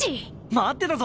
待ってたぞ！